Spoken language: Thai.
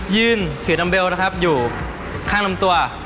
ื่นสีดำเบลนะครับอยู่ข้างลำตัว